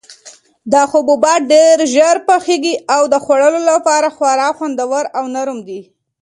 دا حبوبات ډېر ژر پخیږي او د خوړلو لپاره خورا خوندور او نرم دي.